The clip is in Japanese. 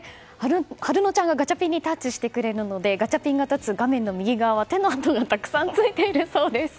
暖乃ちゃんがガチャピンにタッチしてくれるのでガチャピンが立つ画面の右側が手の跡がたくさんついているようです。